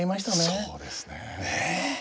そうなんですね。